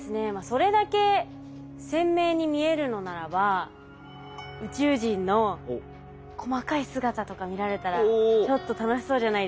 それだけ鮮明に見えるのならば宇宙人の細かい姿とか見られたらちょっと楽しそうじゃないですか。